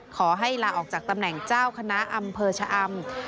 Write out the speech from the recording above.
ขอให้ลาออกจากตำแหน่งเจ้าคณะอำเภอชะอำ